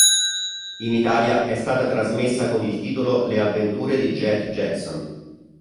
In Italia è stata trasmessa con il titolo "Le avventure di Jet Jackson".